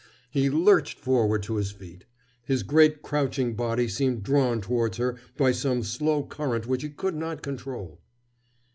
He lurched forward to his feet. His great crouching body seemed drawn towards her by some slow current which he could not control.